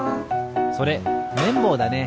それめんぼうだね。